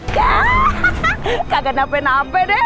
kakak ga nabek nabek deh